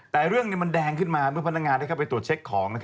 แต่เรื่องนี้มันแดงขึ้นมาเมื่อพนักงานได้เข้าไปตรวจเช็คของ